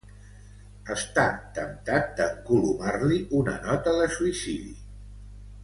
Està temptat d'encolomar-li una nota de suïcidi.